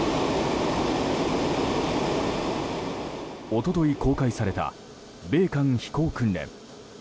一昨日、公開された米韓飛行訓練。